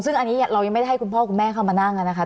ซึ่งอันนี้เรายังไม่ได้ให้คุณพ่อคุณแม่เข้ามานั่งนะคะ